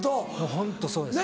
ホントそうです。